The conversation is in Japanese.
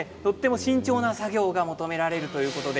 慎重な作業が求められるということで